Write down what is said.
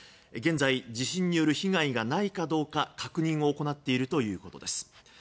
現在、地震による被害がないかどうか確認を行っているということです。